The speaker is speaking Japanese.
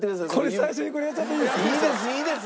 最初にこれやっちゃっていいんですか？